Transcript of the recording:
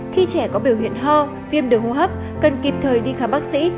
khi trẻ có biểu hiện ho viêm đường hô hấp cần kịp thời đi khám bác sĩ